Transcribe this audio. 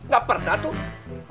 gak pernah tuh